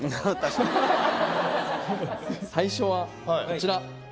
最初はこちら！